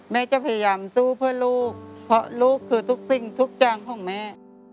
แม่จะพยายามสู้เพื่อลูกเพราะลูกคือทุกสิ่งทุกอย่างของแม่